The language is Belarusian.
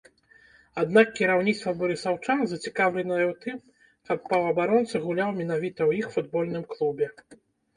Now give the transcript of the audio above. Аднак кіраўніцтва барысаўчан зацікаўленае ў тым, каб паўабаронца гуляў менавіта ў іх футбольным клубе.